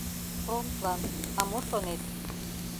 — Фронтлан... а мо шонет?